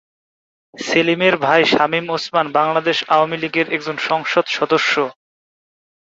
সেলিমের ভাই শামীম ওসমান বাংলাদেশ আওয়ামী লীগের একজন সংসদ সদস্য।